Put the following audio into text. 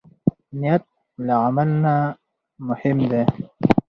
نیت له عمل نه مهم دی.